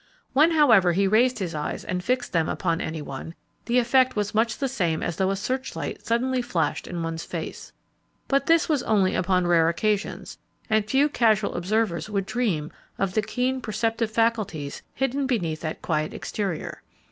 When, however, he raised his eyes and fixed them upon any one, the effect was much the same as though a search light suddenly flashed in one's face; but this was only upon rare occasions, and few casual observers would dream of the keen perceptive faculties hidden beneath that quiet exterior.